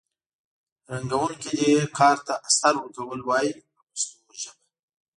رنګوونکي دې کار ته استر ورکول وایي په پښتو ژبه.